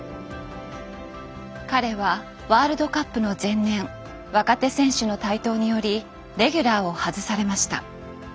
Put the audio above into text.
彼はワールドカップの前年若手選手の台頭によりレギュラーを外されました。